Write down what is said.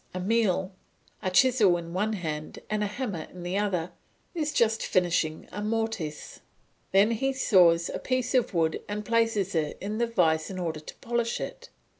Emile, a chisel in one hand and a hammer in the other, is just finishing a mortise; then he saws a piece of wood and places it in the vice in order to polish it.